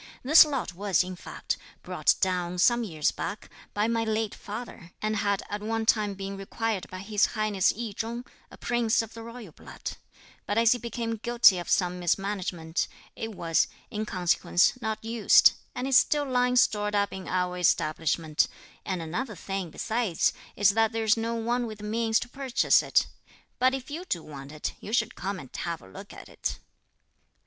This lot was, in fact, brought down, some years back, by my late father; and had at one time been required by His Highness I Chung, a Prince of the royal blood; but as he became guilty of some mismanagement, it was, in consequence, not used, and is still lying stored up in our establishment; and another thing besides is that there's no one with the means to purchase it. But if you do want it, you should come and have a look at it."